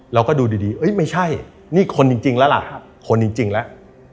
เราก็ดูดีไม่ใช่นี่คนจริงแล้วล่ะคนจริงแล้ว